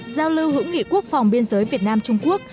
giao lưu hữu nghị quốc phòng biên giới việt nam trung quốc